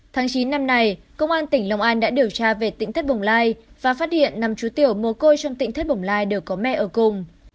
tháng chín năm nay công an tỉnh long an đã điều tra về tỉnh thất bồng lai và phát hiện năm chú tiểu mồ côi trong tỉnh thất bồng lai đều có mẹ ở cùng